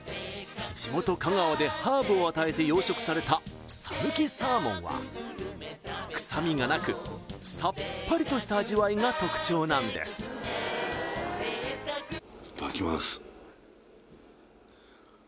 地元香川でハーブを与えて養殖された讃岐さーもんは臭みがなくさっぱりとした味わいが特徴なんですいただきまー